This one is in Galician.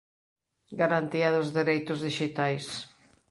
Garantía dos dereitos dixitais